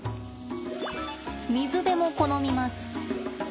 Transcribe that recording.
水辺も好みます。